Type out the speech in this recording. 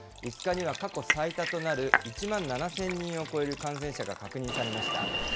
５日には過去最多となる１万７０００人を超える感染者が確認されました。